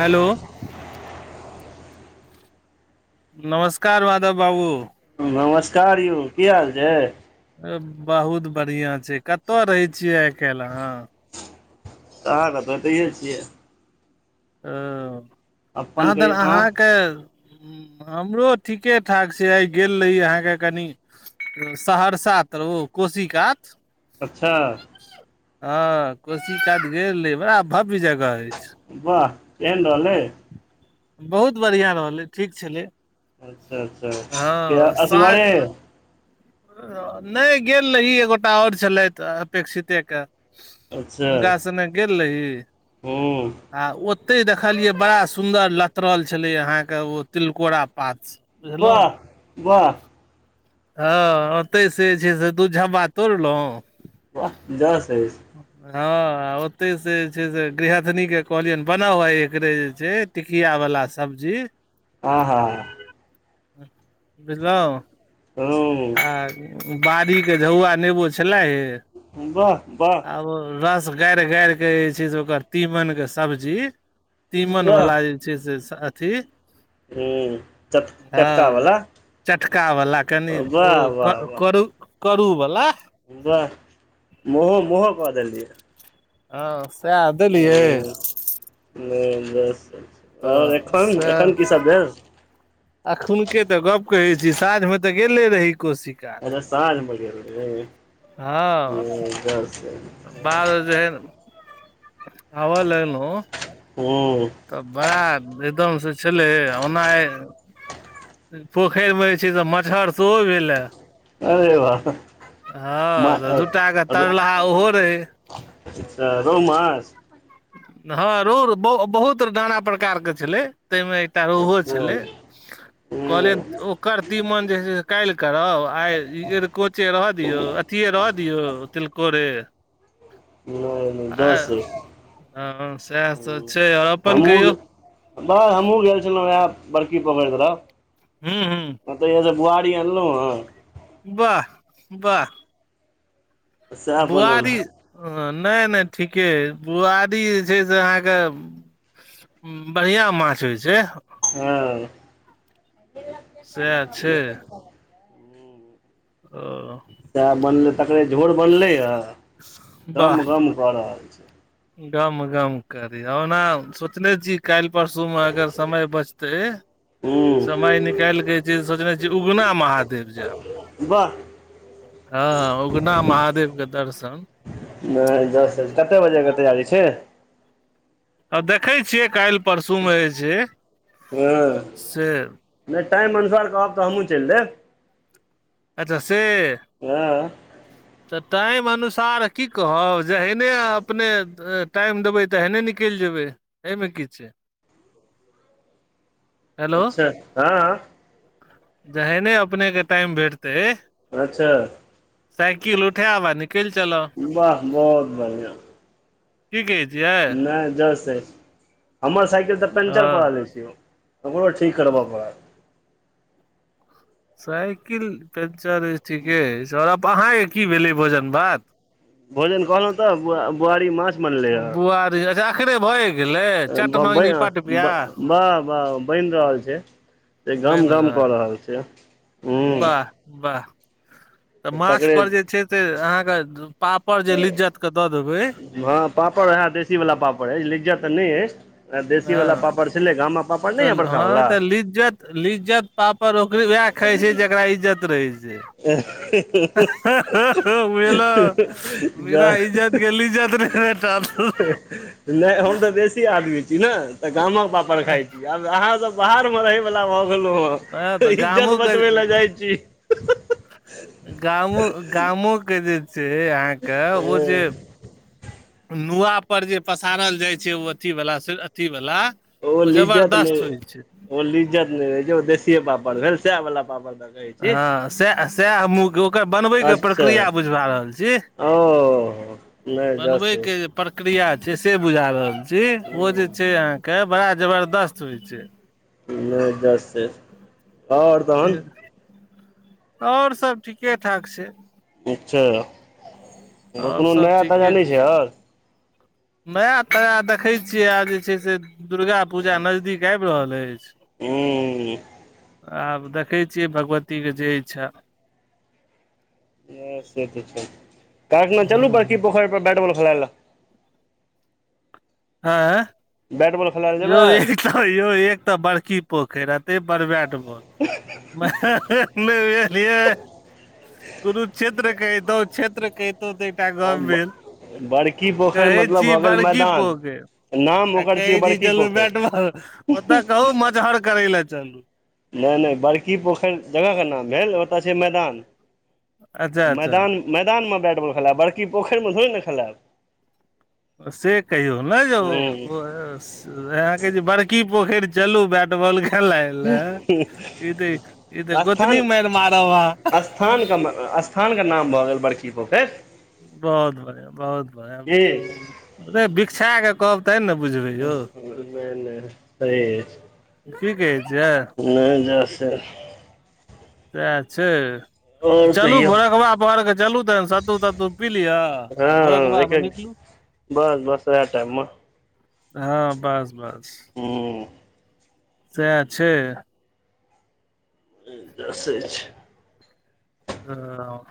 Hello नमस्कार माधव बाबू नमस्कार यौ की हाल छै बहुत बढ़िया छै कत रहै छियै आय काल्हि अहाँ कहाँ क त एतै छियै ओ अपन कहाँ दन कही अहाँ आहाँके ह हमरो ठीके ठाक से आय गेल रही अहाँके कनि सहरसा तर ओ कोशी कात अच्छा हँ कोशी कात गेल रही बड़ा भव्य जगह अछि वाह केहन रह लै बहुत बढ़िआँ रहलै ठीक छलै अच्छा अच्छा हँ साँझ असगरे नहि गेल रही एगोटा आओर छलथि अपेक्षिते के अच्छा हुनका संगे गेल रही हूँ आ ओते देखलियै बड़ा सुन्दर लतरल छलै अहाँ के ओ तिलकोरा पात बुझलहुँ वाह वाह ह ओतै से जे छै से दू झब्बा तोड़लौ वाह जस अछि हँ ओतै से जे छै से गृहथनी के कहलियनि बनाउ हु आय एकरे जे छै टिकिया वाला सब्जी ह हँ बुझलौ आ हूँ बाड़ी के झौआ नेबो छलै हे वाह वाह आब ओ रस गारि गारि के जे छै से ओकर तीमन के सब्जी तीमन वाह वाला जे छै से अथी हम्म चट चटका बला चटकावाला कनि ओ करू करूवाला हब मोहो मोह कदेलिय आ ह नौ दस आओर तऽ एखन एखन की सब भेल अखुन के तऽ गप्प कहै छी सााँझ मे तऽ गेले रही कोशी कात अरे साॅंझमे गेल रही डरसे बारल जे आबऽ लगलौ ओ तऽ बड़ा एकदम से छलै ओना पोखरिमे जे छै तऽ मच्छहर सेहो भेलै अरे वाह मा हँ तऽ दूटा के तरलाहा ओहो रहै रोह माछ हँ रोह बहु बहुत नाना प्रकारके छलै ताहिमे एकटा रोहुओ अच्छा छलै [unintelligible] कहलियै हूँ नहि ओकर तीमन जे छै से काल्हि करब आय ई ऐरिकोचे रहऽ दियौ ती रह दियौ तिलकोरे नहि नहि आ दस हँ सएह तऽ छै अपन हमहूँ कहियौ बस हमहूँ गेल छलौ उएह बड़की पोखरि तरफ हूॅं हँ ओतहिये स बुआरी अनलौ हँ वाह वाह सएह बनल बुआरी हँ नहि नहि ठीके मे बुआरी जे छै से अहाँके बढ़िया माछ होय छै हँ सेएह छै ओह सेएह बनलै तकरे झोर बनलै हँ गम वाह गम कऽ रहल छै गम गम करी ओना सोचले छी काल्हि परसू म अगर समय बचतै हूँ समय निकालिक जे सोचने छियै उगना महादेव जायब वाह हँ उगना महादेव के दर्शन नहि दस ज कतेक बजे के तैयारी छै आ देखै छियै काल्हि परसूमे जे छै हँ से नहि टाइम अनुसार कहब तऽ हमहूँ चलि देब अच्छा से हँ तऽ टाइम अनुसार की कहब जेहने अपने टाइम देबै तेहने निकलि जेबै एहिमे की छै अच्छा हँ जहेने अपनेके टाइम भेटतै अच्छा साइकिल उठायब आ निकलि चलब वाह बहुत बढ़िआ की गे छियै नहि जस अछि हमर साइकिल त पेंचर हँ परल अछि य ओकरो ठीक करबऽ पड़त साइकिल पञंचर अछि ठीके अछि आओर आब अहाँके की भेलै भोजन भात भोजन कहलौ तऽ बुआरी माछ बनलै बुआरी अखिने भ‌ए गेल बम्बइ बाह बाह बनि रहल छै जे गम गम कऽ रहल छै हूँ वाह वाह तऽ माछ तकरे पर जे छै से अहाँक पा पर जे लिज्जत के दऽ देबै हँ पापड़ वएह देशी वाला पापड़ अछि लिज्जत तऽ नहि अछि देशी वाला हँ पापड़ छलै गामम बड़का बाला पापड़ नहि यऽ तऽ हँ बड़कावाला तऽ लिज्जत लिज्जत पापड़ ओकरे वएह खाय छै जेकरा इज्जत रहै छै [unintelligible] नहि बुझलो बिना इज्जत के लिज्जत नहि भेटत हम तऽ देसी आदमी छी ने तऽ गामक पापड़ खाय छी आब अहाँ सब बाहर मे रहै बला भ गेलो हँ तऽ इज्जत गामो के बचबे लए जाइ छी गामो गामोे के जे छै अहाँके ओ हँ जे नुआ पर जे पसारल जाय छै ओ अथी वला अथी वला ओ लिज्जत नहि ओ लिज्जत नहि रहे जे ओ देशीए पापड़ भेल सएह वला पापड़ द हँ सएह सएह हमहूँ ओकर बनबैके अच्छा प्रक्रिया बुझ भा रहल छी ओ नहि जस बनबैके जे प्रक्रिया छै से बुझा रहल छी हूँ ओ जे छै अहाँके बड़ा जबरदस्त होइ छै नहि दस से और तहन और सब ठीके ठाक छै अच्छा आओर आओर कोनो सब नया ताजा ठीके नहि छै आओर नया ताजा देखैत छियै आब जे छै से दुर्गा पूजा नजदीक आबि रहल अछि [unintelligible] ह्म आब देखै छियै भगवतीके जे इच्छा से तऽ छै कायलखना चलू बड़की ह पोखैर पर बैट बॉल खेलाय लए आइं बैट बॉल खेलाय लए यौ जेबै एक तऽ यौ एक तऽ बड़की पोखरि आ तै बड़बाडबोल [unintelligible] गुरु क्षेत्र कहितौ क्षेत्र कतौ तऽटा गम्भीर बड़की पोखरि कहै मतलब छी भऽ गेल बड़की मैदान पोखैर नाम आ ओकर कहै छियै छी बड़की चलु पोखरि बैट बॉल ओतऽ कहु मजहर करे ले चलु हे नहि बड़की पोखरि जगहके नाम भेल ओतय छै मैदान अच्छा मैदान अच्छा मैदानमे बैट बॉल खेलायब बड़की पोखरिमे थोड़े ने खेलायब से कहियौ व ह जे अहाँके जे बड़की पोखरि चलू बै टबॉल खेलाई त ई तऽ गोतनी मारि मारब ह स्थान के स्थान के नाम भऽ गेल बड़की पोखैर बहुत बढ़िआं बहुत बढ़िआ की अरे भिक्षाक कहब तहन न बुझबै यौ नहि [unintelligible] की कहै छियै नै नै से [unintelligible] छै तऽ आओर चलू कहियौ भोरकबा पहर कऽ चलू तहन सत्तू तत्तू पी लिअ आ हँ भोरकबामे एक निकलू बस बस ओहै टाइम मे हँ बस बस हू सैह छै [unintelligible] ह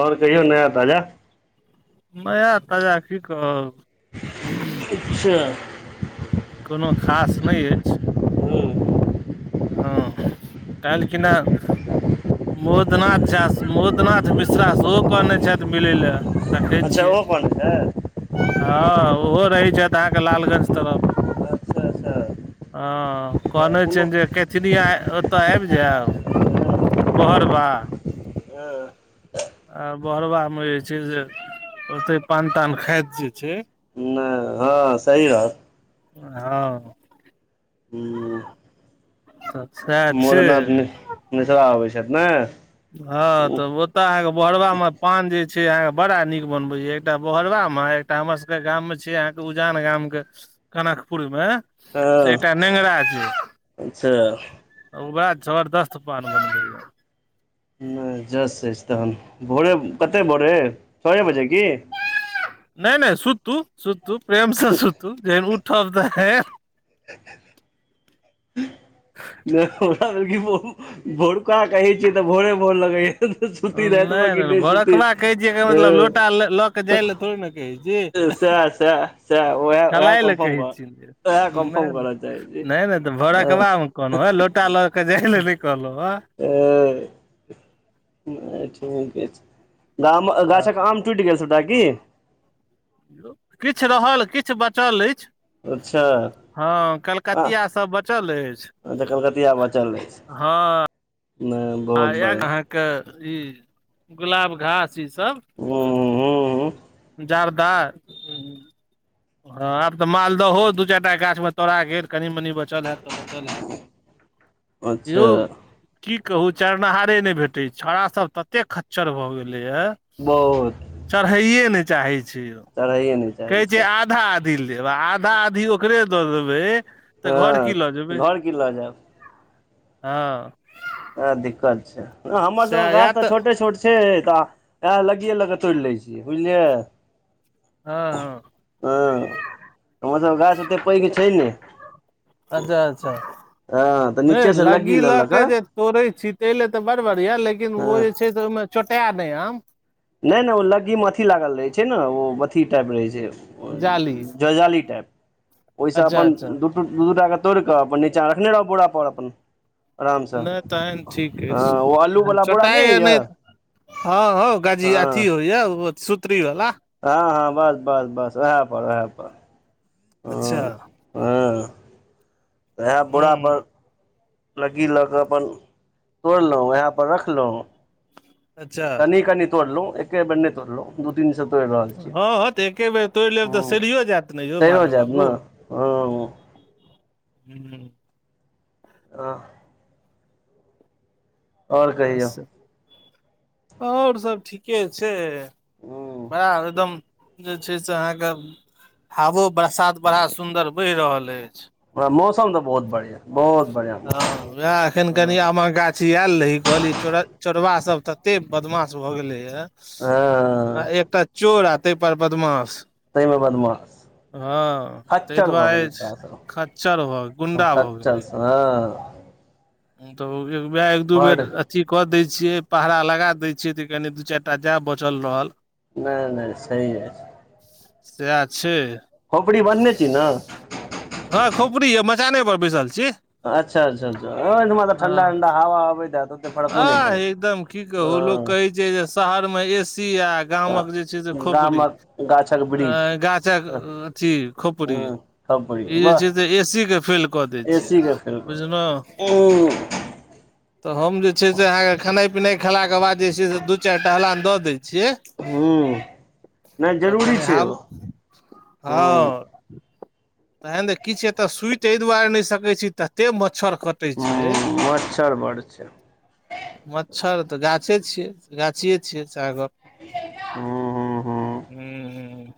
और कहियो नया ताजा नया ताजा की कहब ठीक छै कोनो खास नहि अछि हूँ हँ काईल केना मोदनाथ झा मोदनाथ मिश्रा सेहो कहने छैथ मिलय लए अच्छा दैखैछियै ओ कोन छै हँ ओहो रहै छथ अहाँके लालगंज तरफ अच्छा अच्छा ह कैनै छै कोनो जे केथनिया ओतऽ आब जायब बहरबा हँ आ बोहलबा हम जे छै जे ओते पान तान खाइत जे छै नहि हँ सही रहत हँ ह अछा मोदनाथ मिश मिश्रा अबै छथि ने हँ तऽ ओ ओत अहाँ भोरहरवा में पान जे छै अहाँ के बड़ा नीक बनबेया एकटा बोहरबा मे‌ एक एकटा हमर सबके गाम में छी अहाँके उजान गाम के कनकपुर मे हँ सेटा नेंगरा छै अच्छा ओए जबरदस्त पान बनबैया नहि जस अछि तहन भोरे कते भोरे छये बजे की नहि नहि सुतू सुतू प्रेम से सुतू जेन उठब तऽ हे हां नैह ह हमरा भेल क भोरका कहै छिय तऽ भोरे मोन लगेया नै नै भोरकबा कहै छियै एकर मतलब लोटा लऽ के जाइ ल थोड़ी न‌ कहै छि सएह सएह सएह उएह उएह खेलाइ ल कन्फर्म कहै छीये एकबेर कर उएह हूँ कन्फर्म करऽ चाहै छी नै नै तऽ भोरकबामे कोनो ह लोटा ल जा लेल नहि कहलहु ह ओ ठी [unintelligible] के गाछक अ, आम टुटि गेल सबटा की किछु रहल किछु बचल अछि अच्छा हँ कलकतिआ सब बचल अछि अच्छा कलकतिया बचल हँ अछि नै आ आए अहाँके ई गुलाब घास ईसब उंउंउंउं जार्दा हँ आब तऽ मालदहो दू चारि टा गाछमे तोड़ा गेल कनि मनि बचल हयैत तऽ बचल हयैत अच्छा यौ की कहू चरेनिहारे नहि भेटै छै छौड़ा सब तते खच्चर भए गेलैया बहुत चढ़ैए नहि चाहै छै यौ चरहैये न छै कहै छै आधा आधी लेब आ आधा आधी ओकरे दऽ देबै तऽ घर हँ की लऽ जेबै घर की लऽ जायब हँ बरा दिक्कत छै ओना हम्मर सबके सएह या गाछ तऽ छोटे छोट छै तऽ लगियए लऽ कऽ तोड़ लै छिय बुझलियै हँ हँ ह हमर सब गाछ ओते पैघ छै ने अच्छा अच्छा हँ तऽ नै नीचे से लग्गी लगी लऽ ला लऽ के कऽ जे तोड़ै छी तै लेऽ तऽ बड़ बढ़ियाँ लेकिन ओ हँ जे छै से ओहिमे चोटा नै आम नहि नहि ओ लगी मे अथि लागल रहै छै ने ओ अथी टाइप रहै छै जाली जजाली टाइप ओहिसँ अच्छा अपन अच्छा दु दू दू टा के तोड़े कऽ अपन नीचा रखने रह बौरा पर अपन आराम सँ नहि तहन ठीक त अछि ओ अल्लू वाला बोरा चोटाइ नहि य होइए हँ हो गाजी हँ अथी होइया सुत्री वाला हँ हँ बस बस बस उएह पर उएह पर अच्छा ह हँ इएह बुरा हूँ पर लग्गी लऽ कऽ अपन तोड़लहुँ वएह पर रखलहुँ अच्छा कनि कनि तोड़लो एके बेर नहि तोड़लो दू तीन सब हँ हँ तऽ एके बेर तोड़ि लेब तऽ हूँ सड़ियो जायत ने यौ सड़िओ माधव जायत ने बाबू हूँ हूँ। आ आओर कहियौ अच्छा, आओर सभ ठीके छै बड़ हूँ एकदम। जे छै से अहाँके हवो, बरसात बड़ा सुन्दर भऽ रहल अछि। मौसम तऽ बहुत बढ़िया, बहुत बढ़िया मौसम। वएह, अखन कनि हँ आमक गाछी आयल रही, कहलियै, चोरबा सभ तते बदमाश भऽ गेलै य। आ हँ एकटा चोर आ ताहिपर बदमाश। तहिमे बदमाश। हँ, ताहि खच्चर भऽ गेलै दुआरे खच्चर भऽ गेल, गुंडा भऽ गेल। चल सँ तऽ उहाँ एक दू बड बेर अथी कऽ दै छियै, पहरा लगा दै छियै, तऽ कनी दू चारि टा जाय बचल रहल। नहि नहि, सही यऽ। सएह छै। खोपड़ी बान्हने छीयै ने। हँ, खोपड़ी यऽ, मचानपर बैसल छी। अच्छा अच्छा अच्छा, आँखिमे तऽ ठंढा ठंढा हवा आबैत होयत ओ। आ एकदम की कहू, लोक कहै छै जे शहरमे एसी अछि। हँ गामक जे छै से खोपड़ी गामक गाछक वृक्ष गाछक ह अथी खोपड़ी। खपड़ी ई जे वाह छै से एसीके फेल कऽ दै छियै, बुझलहुँ। ओ। तऽ हम जे छै से अहाँके खेनाइ पिनाइ खुआएलाक बाद जे छै से दू चारि टहलान दऽ दै छियै। हूँ, नै तऽ जरूरी कनि छै हम ओ। हूं हँ। तहन तऽ किछु एतऽ सुतै नहि सकैत छी, एहि दुआरे। तते मच्छर काटै छै। हूं मच्छर बड़ छै। मच्छर तऽ गाछिये छियै, गाछिये छियै सागर। हूँ। हूँ हूँ।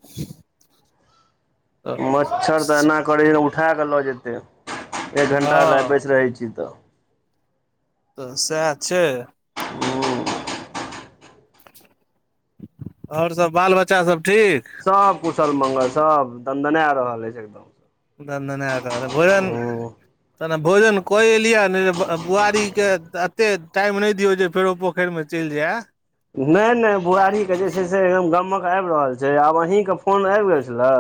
मच्छर तऽ एना करै ने, उठा कऽ लऽ जेतै। एक घण्टा लऽ हँ बैस रहैत छी तऽ। तऽ सएह छै। हूँ। आओर सभ बाल बच्चा सभ ठीक? सभ कुशल मंगल सभ दन्दना रहल अछि एकदम। दनदना रहल यऽ भोजन। हूं तहन भोजन कऽ एलियै ने, जे बुआरीकेँ एतेक टाइम नहि दियौ जे फेरो पोतऽ। पोखरिमे चलि जाय। नहि नहि, बुआरीके जे छै से एकदम गमक आबि रहल छै, आब अहींके फोन आबि गेल छलए।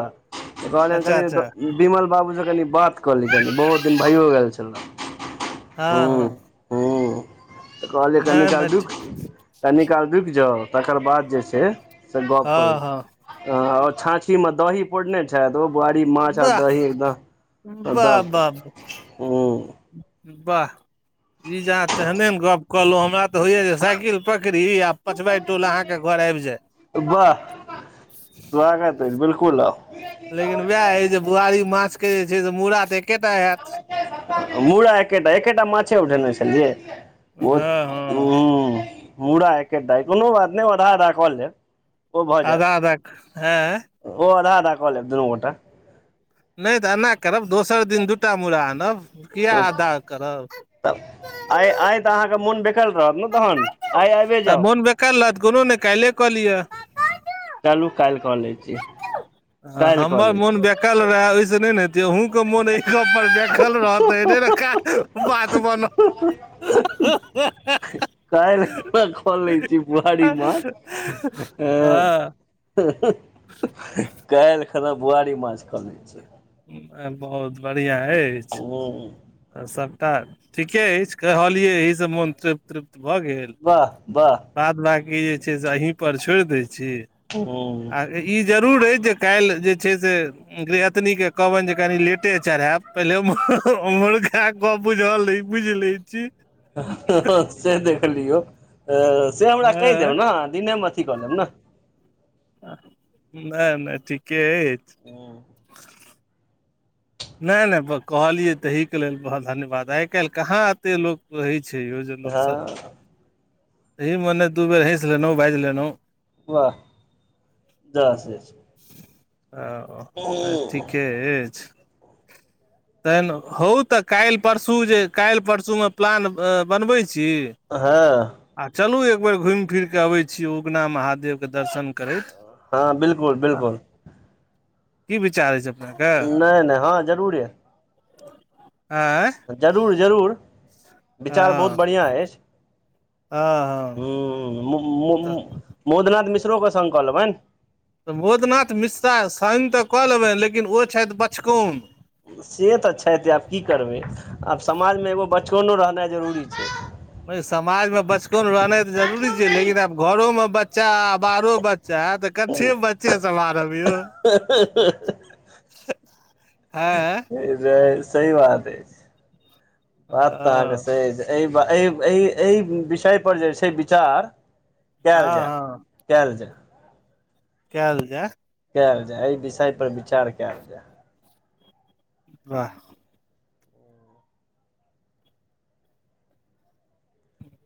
तऽ अच्छा अच्छा कनि विमल बाबूसँ कनि बात कऽ ली, कनि बहुत दिन भऽ गेल छलै। हैं हैं। तऽ कहलियै, कनी काल नहि रुकि, कनी काल रुकि जो। तकर बाद जे छै से गप करै हँ हँ छी आओ छाछीमे दही। पोड़ने छै दू बुआरी माछ आ वाह दही, एकदम वाह दऽ कऽ वाह ह। वाह, ई जा, तेहने गप कहलहुँ हमरा तऽ। तऽ होइए जे साइकिल पकड़ि आ पचवई टोल अहाँके घर आबि जाय। वाह, स्वागत अछि, बिल्कूल। लेकिन उएह हइ जे बुआरी माछके जे छै से मूड़ा तऽ एकेटा हेत। मूड़ा एकेटा एकेटा माछे उठेने छल जे। हँ, हँ हँ मूड़ा एकेटा यऽ, कोनो बात नहि, आधा-आधा कऽ लेब। ओ भऽ जायत आधा आधाख ऐं ओ आधा आधा कऽ लेब दुनू गोटा नै तऽ एना करब दोसर दिन दूटा मुड़ा आनब किया आधा करब तऽ आइ आइ तऽ अहाँके मोन बेकल रहत ने तहन आइ आइबे जाउ काल्हि हेतऽ कोनो नै काल्हिये कऽ लिय चलू काल्हि कऽ लै छी काल्हि कऽ हमर लै छी मोन बेकल रहे ओहिस नहि नेे जेे अहुँके मोन एहि गप पर बेकल रहत इ नै ने का [unintelligible] बात बनत [unintelligible] हं हं हं हं [inaudible] काल्हि खुमा क लैछी बुआरी माछ ऐं हँ हुं हुं काल्हि खना बुआरी माछ क लै छी बहुत बढ़ियाँ अछि हूंम्म आ सबटा ठीके अछि कहलियै एहिसँ मोन तृप्त तृप्त भऽ गेल वाह वाह बाद बाकी जे छै से अहीं पर छोड़ि दै छी हूंम्म आ ई जरूर अइ जे काल्हि जे छै से गिरहतनीके कहबनि जे कनि लेटे चढ़ैत पहिले [unintelligible] ओम्हरो इहे कप बुझल रहै बुझि लै छै से देख लियौ से हमरा कहि देब ने हँ दिनेमे अथी कऽ लेब ने नै नै ठीके अछि हू नहि नहि कहलियै ताहिके लेल बहुत धन्यवाद आइ काल्हि कहाँ अते लोक वही छै यौ जे लोक हँ सब एहि मने दू बेर हँसि लेलहुँ बाजि लेलहुँ वाह [unintelligible] दस छै ओ नहि ठीके अछि तहन हउ तऽ काल्हि परसू जे काल्हि परसूमे प्लान बनबै छी हँ आ चलू एक बेर घुमि फिरि कऽ अबै छी उगना महादेवके दर्शन करैत हँ बिल्कुल बिल्कुल की विचार अछि अप नहि नहि हँ जरूरे आँय जरूर जरूर विचार बहुत हँ बढ़ियाँ अछि हँ हँ हूंम्म तऽ मोदनाथ मिश्रोके संग क लेबनि तऽ बोदनाथ मिश्रा संग तऽ कऽ लेबनि लेकिन ओ छथि बचकौन से तऽ छथि जे आब की करबै आब समाज मे एगो बचकौनो रहनाइ जरूरी छै समाज मे बचपन रहनाइ तऽ जरूरी छै लेकिन आब घरो मे बच्चा आब बाहारो बच्चा तऽ कत्ते बच्चे समारब यौ [inaudible] से त सही बात अइ बात तऽ अहाँके हँ सही एहि ब एहि एहि एहि विषयपर जे छै विचार कएल जाय हँ कएल जाय कएल जाय कएल जाय एहि विषय पर विचार कएल जाय वाह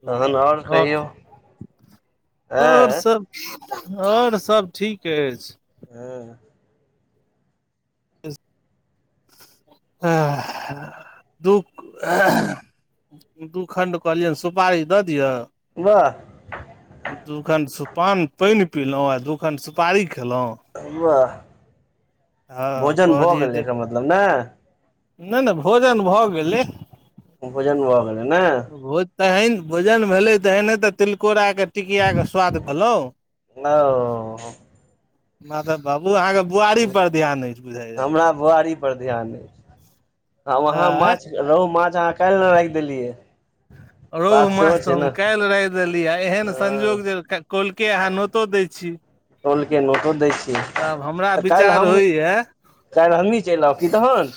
तहन आओर कहियौ आओर आँय सब आओर सब ठीक अछि हँ आ दु [unintelligible] दू खण्ड कहलियनि सुपारी दऽ दिअ वाह दू कनि पान पानि पिलहुँ आ दू खण सुपारी खेलहुँ अह हँ भोजन भऽ कहलियै जे गेलै एकर मतलब ने नहि नहि भोजन भऽ गेलै भोजन भए गेलै नहि भोज तहन भोजन भेलै तेने तऽ तिलकोराक के टिकियाके स्वाद भेलौ ओ माधव बाबू अहां त हमरा बुआरी पर ध्यान अछि अहाँ आँय माछ रोहू माछ अहाँ काल्हि ले राखि देलियै रोहु बात माछ सेहो तऽ छै हम ने काल्हि राख देली आ एहन ह संजोग जे कौलके अहाँ नोतो दै छी कौलके नोतो दै छीयै आब हमरा तऽ काल्हि विचार हम होइया कैल हमी चैल आउ की तहन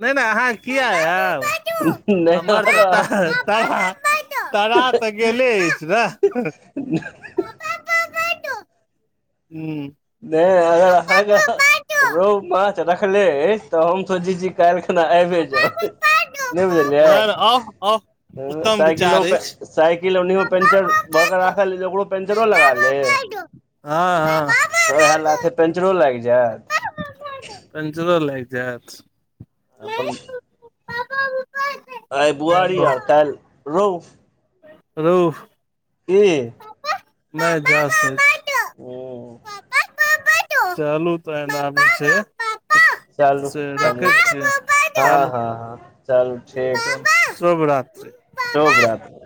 नहि नहि अहाँ किए आयब नहि हमर तऽ अगर त तबा तारा तऽ गेले अछि ने हू नहि अगर अहाँके रोहु माछ रखले अइछ तऽ हम सोचै छी कलि खना आइबे जाउ नहि नहि बुझलियै नहि ऑफ ऑफ ह उत्तम साइकिल विचार अछि साइकिल ओन्हियो पंचर भऽ क राखल ऐ ओकरो पंचरो लगा लेब हँ हँ ओएह लाथे पेंचरो लागि जायत पचो लागि जायत अपन पापा मुबाइल आइ बुआरी आर काल्हि रौहु रौह कि नहि जा से उम चलू तऽ एहन आब छै चलू से रखै छियै चलू ह से शुभ रात्रि शुभ रात्रि